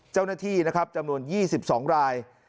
เจ้าหน้าที่จำนวน๒๒ราย